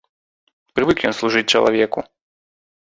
Прывык ён служыць чалавеку.